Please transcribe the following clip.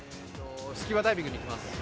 スキューバダイビングに行きます。